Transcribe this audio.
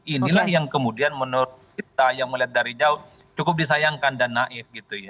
inilah yang kemudian menurut kita yang melihat dari jauh cukup disayangkan dan naif gitu ya